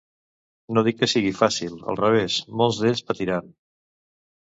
No dic que sigui fàcil, al revés, molts d’ells patiran.